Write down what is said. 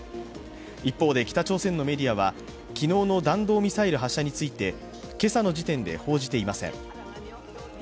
一方で、北朝鮮のメディアは、昨日の弾道ミサイル発射について今朝の時点で報じていません。